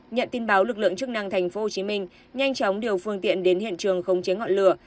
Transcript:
nhận tin báo lực lượng chức năng tp hcm nhanh chóng điều phương tiện đến hiện trường không chế ngọn lửa